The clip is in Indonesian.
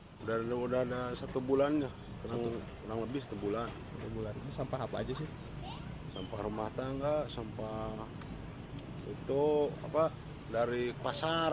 sampah yang terdiri dari sampah rumah tangga sampah rumah tangga sampah pasar